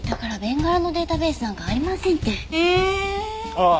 ああ